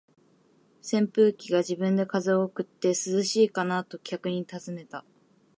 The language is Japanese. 扇風機が自分で風を送って、「涼しいかな？」と客に尋ねた。